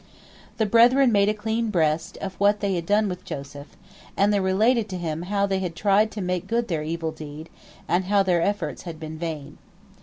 The brethren made a clean breast of what they had done with Joseph, and they related to him how they had tried to make good their evil deed, and how their efforts had been vain.